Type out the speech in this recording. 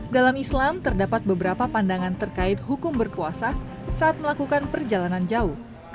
dalam islam terdapat beberapa pandangan terkait hukum berkuasa saat melakukan perjalanan jauh